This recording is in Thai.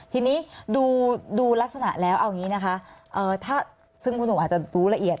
ทีนี้ดูลักษณะแล้วเอาอย่างนี้นะคะซึ่งคุณหนุ่มอาจจะรู้ละเอียด